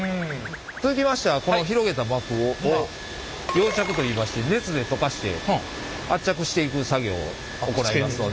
続きましてはこの広げた膜を溶着といいまして熱で溶かして圧着していく作業を行いますので。